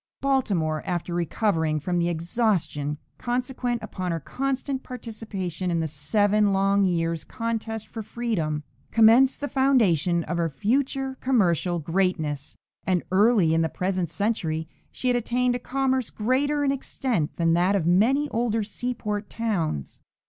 Baltimore, after recovering from the exhaustion consequent upon her constant participation in the seven long years' contest for freedom, commenced the foundation of her future commercial greatness, and early in the present century she had attained a commerce greater in extent than that of many older seaport towns.